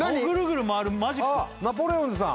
ナポレオンズさん